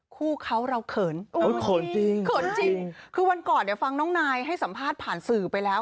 คู่เขาเราเขินโอ้ยเขินจริงเขินจริงคือวันก่อนเนี่ยฟังน้องนายให้สัมภาษณ์ผ่านสื่อไปแล้ว